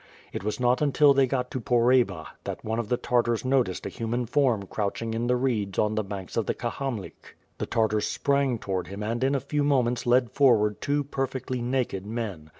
It was not untirthey got to Pohreba that one of the Tartars noticed a human form crouching in the reeds on the banks of the Kahamlik. The Tartars sprang towards him and in a few moments led forward two perfectly naked men.